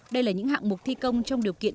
đây là những hạng mục thi công trong điều kiện